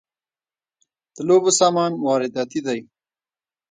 د لوبو سامان وارداتی دی